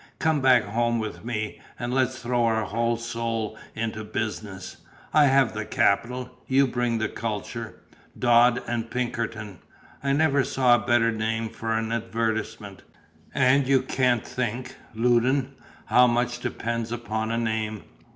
"Come back home with me, and let's throw our whole soul into business. I have the capital; you bring the culture. Dodd & Pinkerton I never saw a better name for an advertisement; and you can't think, Loudon, how much depends upon a name."